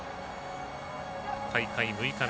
大会６日目。